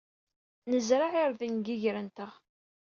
Nezreɛ irden deg yiger-nteɣ.